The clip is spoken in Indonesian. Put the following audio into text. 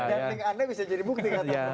link anda bisa jadi bukti